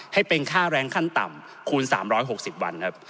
ให้เป็นค่าแรงขั้นต่ำคูณ๓๖๐วันครับ